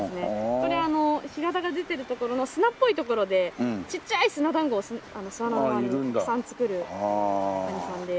これ干潟が出てる所の砂っぽい所でちっちゃい砂団子を巣穴の周りにたくさん作るカニさんで。